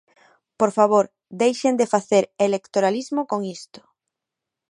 Por favor, deixen de facer electoralismo con isto.